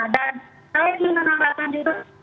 dan saya ingin menandakan juga